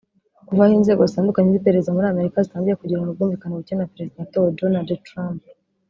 Kuva aho inzego zitandukanye z’iperereza muri Amerika zitangiye kugirana ubwumvikane buke na perezida watowe Donald Trump